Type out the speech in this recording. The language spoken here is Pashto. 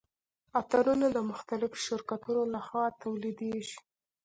عطرونه د مختلفو شرکتونو لخوا تولیدیږي.